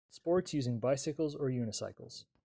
Sports using bicycles or unicycles.